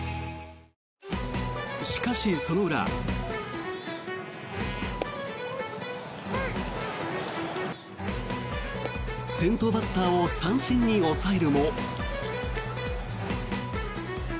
しかし、その裏。先頭バッターを三振に抑えるも。